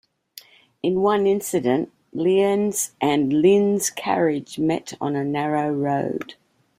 In one incident, Lian's and Lin's carriage met on a narrow road.